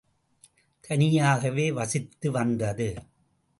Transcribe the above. தனியாகவே வசித்து வந்தது.